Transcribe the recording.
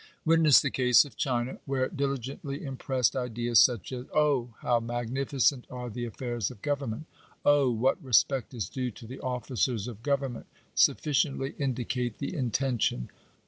Witness the case of China, where diligently impressed ideas, such as, "! how magnificent are the affairs of government !""! what respect is due to the officers of government !" suffi ciently indicate the intention.